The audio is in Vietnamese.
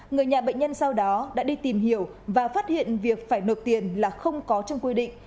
người nhà bệnh nhân sau đó đã đi tìm hiểu và phát hiện việc phải nộp tiền là không có trong quy định